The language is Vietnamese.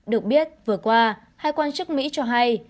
được biết vừa qua hai quan chức mỹ cho hay